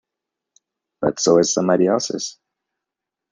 But so is somebody else's.